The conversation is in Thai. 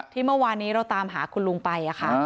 เมื่อวานนี้เราตามหาคุณลุงไปค่ะ